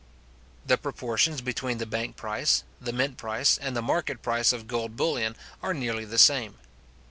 The proportions between the bank price, the mint price, and the market price of gold bullion, are nearly the same.